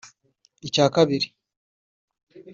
Icya kabiri